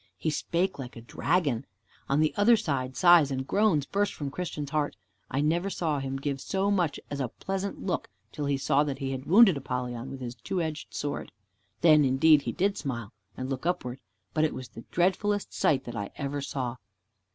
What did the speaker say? He spake like a dragon. On the other side, sighs and groans burst from Christian's heart. I never saw him give so much as a pleasant look, till he saw that he had wounded Apollyon with his two edged sword. Then indeed he did smile and look upward, but it was the dreadfulest sight that ever I saw.